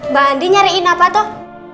mbak andi nyariin apa tuh